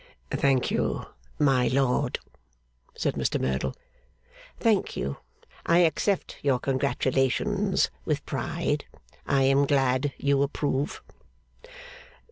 'Thank you, my lord,' said Mr Merdle; 'thank you. I accept your congratulations with pride, and I am glad you approve.